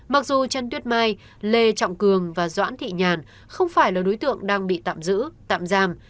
mặc dù trần tuyết mai lê trọng cường và doãn thị nhàn không phải là đối tượng đang bị tạm giữ tạm giam